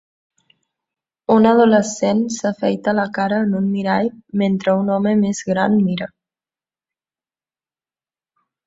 Un adolescent s'afaita la cara en un mirall mentre un home més gran mira.